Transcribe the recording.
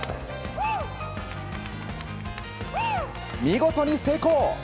見事に成功。